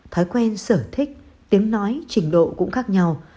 thói quen sở thích tiếng nói trình độ cũng khác nhau